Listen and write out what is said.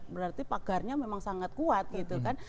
berarti pagarnya memang sangat kuat gitu kan